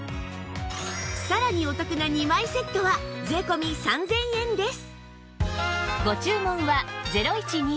さらにお得な２枚セットは税込３０００円です